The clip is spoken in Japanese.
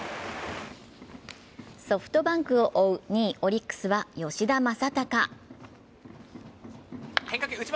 ソフトバンクを追う２位・オリックスは吉田正尚。